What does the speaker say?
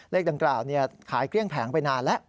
เลขดังกล่าวขายเกลี้ยงแผงไปนานแล้ว